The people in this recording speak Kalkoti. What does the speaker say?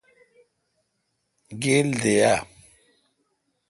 گیل دے اؘ۔